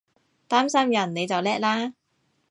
擔心人你就叻喇！